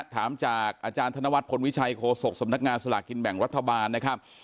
ถามจากอาจารย์ธนวัฒนพลวิชัยโฆษกสำนักงานสลากกินแบ่งรัฐบาลนะครับ